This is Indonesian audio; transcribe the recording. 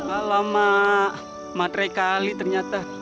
alamak matre kali ternyata